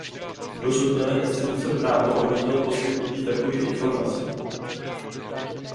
Dosud měly instituce právo odmítnut poskytnutí takovýchto informací.